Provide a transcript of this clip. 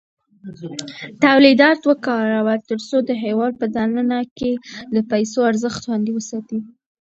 تولیدات وکاروه ترڅو د هېواد په دننه کې د پیسو ارزښت خوندي وساتې.